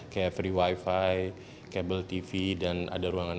kayak free wifi kabel tv dan ada ruangan